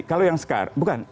kalau yang sekarang bukan